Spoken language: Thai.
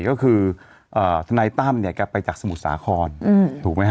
ก็คือทนัยตั้มไปจากสมุทรสาครถูกไหมคะ